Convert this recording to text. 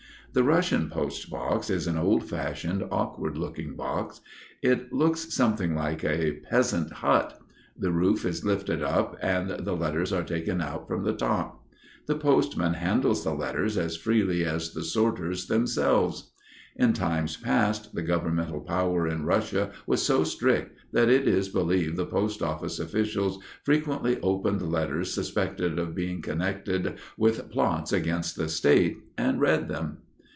The Russian post box is an old fashioned, awkward looking box. It looks something like a peasant hut. The roof is lifted up, and the letters are taken out from the top. The postman handles the letters as freely as the sorters themselves. In times past the governmental power in Russia was so strict that it is believed the post office officials frequently opened letters suspected of being connected with plots against the State, and read them.